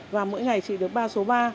và mỗi ngày chị được ba số ba